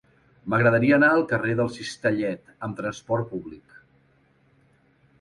M'agradaria anar al carrer del Cistellet amb trasport públic.